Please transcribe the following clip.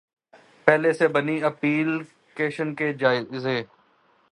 پہلے سے بنی ایپلی کیشنز کے جائزے